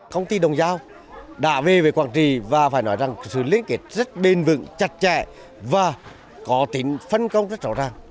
công ty đồng giao đã về với quảng trì và phải nói rằng sự liên kết rất bền vững chặt chẽ và có tính phân công rất rõ ràng